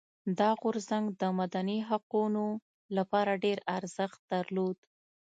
دا غورځنګ د مدني حقونو لپاره ډېر ارزښت درلود.